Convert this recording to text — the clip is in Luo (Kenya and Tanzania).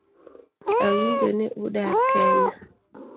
Awinjo ni udar kenya